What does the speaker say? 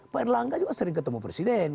pak erlangga juga sering ketemu presiden